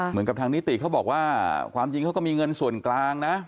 เหมือนกับทางนิติเขาบอกว่าความจริงเขาก็มีเงินส่วนกลางนะ